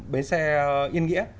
bến xe yên nghĩa